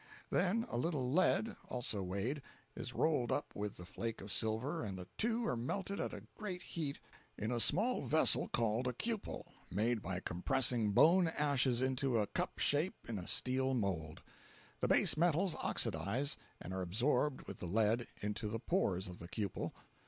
Then a little lead (also weighed) is rolled up with the flake of silver and the two are melted at a great heat in a small vessel called a cupel, made by compressing bone ashes into a cup shape in a steel mold. The base metals oxydize and are absorbed with the lead into the pores of the cupel.